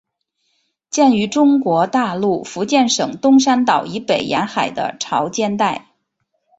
见于中国大陆福建省东山岛以北沿海的潮间带。